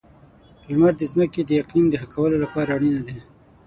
• لمر د ځمکې د اقلیم د ښه کولو لپاره اړینه ده.